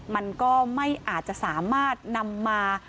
มันก็ไม่อาจจะสามารถนำมา